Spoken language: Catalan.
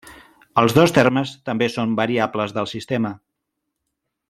Els dos termes també són variables del sistema.